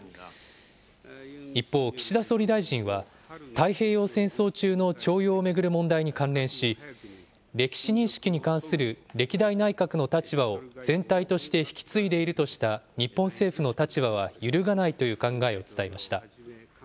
一方、岸田総理大臣は、太平洋戦争中の徴用を巡る問題に関連し、歴史認識に関する歴代内閣の立場を全体として引き継いでいるとした日本政府の立場は揺るがないという考えを伝えました。